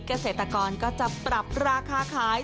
เกษตรกรก็จะปรับราคาขาย